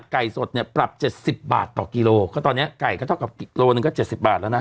ไก่สดเนี่ยปรับเจ็ดสิบบาทต่อกิโลก็ตอนนี้ไก่ก็เท่ากับกิโลหนึ่งก็เจ็ดสิบบาทแล้วนะ